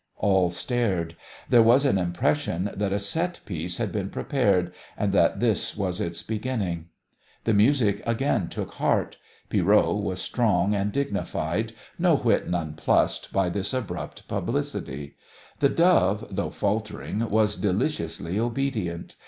All stared. There was an impression that a set piece had been prepared, and that this was its beginning. The music again took heart. Pierrot was strong and dignified, no whit nonplussed by this abrupt publicity. The Dove, though faltering, was deliciously obedient.